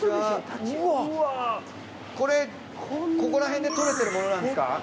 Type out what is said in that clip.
これここら辺で取れてるものなんですか？